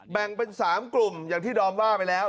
แบ่งเป็น๓กลุ่มอย่างที่ดอมว่าไปแล้ว